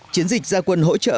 chiến dịch gia quân hỗ trợ